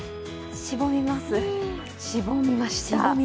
しぼみます、しぼみました。